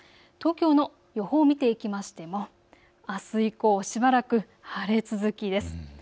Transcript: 東京の予報を見ていきましてもあす以降、しばらく晴れ続きです。